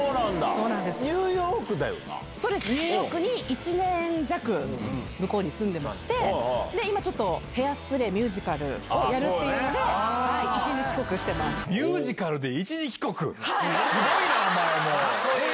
そうです、ニューヨークに１年弱、向こうに住んでまして、今ちょっとヘアスプレー、ミュージカルをやるっていうので、ミュージカルで一時帰国？